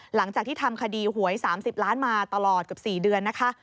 หลังจากที่ทำคดีหวย๓๐ล้านมาตลอดเกือบ๔เดือนนะคะ